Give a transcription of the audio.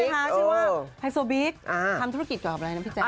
ฮายโซบิ๊กทำธุรกิจกับอะไรนะ